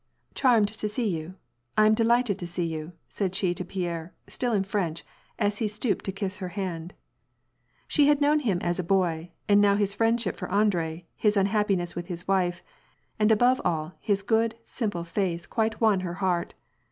" Charmed to see you. I am delighted to see you," said she to Pierre, still in French, as he stooped to kiss her hand. She had known him as a boy, and now his friendship for Andrei, his unhappiness with his wife, and above all, his good, simple, face quite won her heart.